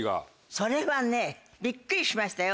それはねびっくりしましたよ。